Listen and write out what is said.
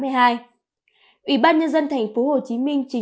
ủy ban nhân dân tp hcm trình thủ